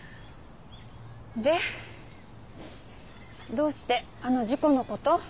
どうしてあの事故のこと？